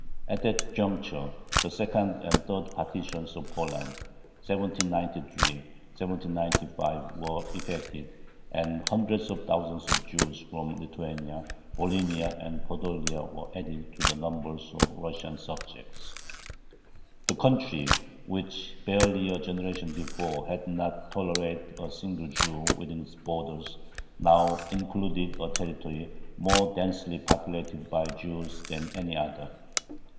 At that juncture the second and third partitions of Poland (1793, 1795) were effected, and hundreds of thousands of Jews from Lithuania, Volhynia, and Podolia were added to the numbers of Russian subjects. The country, which barely a generation before had not tolerated a single Jew within its borders, now included a territory more densely populated by Jews than any other.